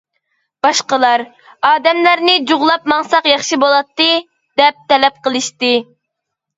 باشقىلار: «ئادەملەرنى جۇغلاپ ماڭساق ياخشى بولاتتى» دەپ تەلەپ قىلىشتى.